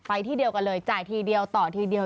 ที่เดียวกันเลยจ่ายทีเดียวต่อทีเดียว